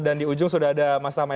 dan di ujung sudah ada mas tamai